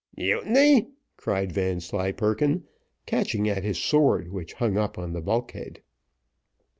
"Mutiny!" cried Vanslyperken, catching at his sword, which hung up on the bulk head.